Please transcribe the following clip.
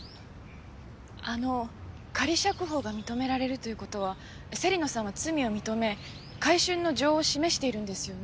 あの仮釈放が認められるという事は芹野さんは罪を認め改悛の情を示しているんですよね？